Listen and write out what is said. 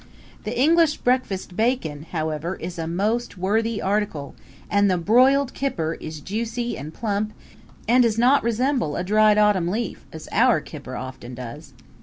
The English breakfast bacon, however, is a most worthy article, and the broiled kipper is juicy and plump, and does not resemble a dried autumn leaf, as our kipper often does.